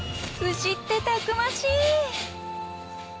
［牛ってたくましい！］